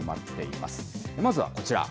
まずはこちら。